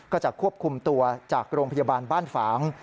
ก็จะควบคุมตัวจากโรงพยาบาลบ้านฝาง